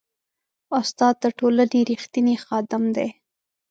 استاد د ټولنې ریښتینی خادم دی.